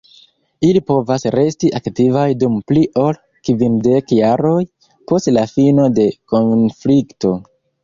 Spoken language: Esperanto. Ili povas resti aktivaj dum pli ol kvindek jaroj post la fino de konflikto.